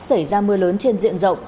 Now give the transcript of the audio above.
xảy ra mưa lớn trên diện rộng